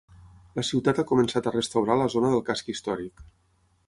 La ciutat ha començat a restaurar la zona del casc històric.